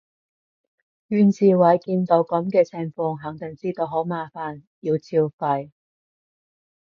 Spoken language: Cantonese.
袁志偉見到噉嘅情況肯定知道好麻煩，要照肺